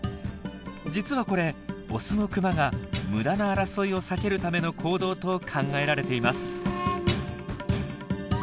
実はこれオスのクマが無駄な争いを避けるための行動と考えられています。